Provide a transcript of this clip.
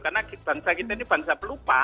karena bangsa kita ini bangsa pelupa